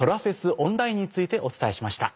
オンラインについてお伝えしました。